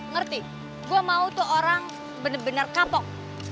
ngerti gue mau tuh orang bener bener kapok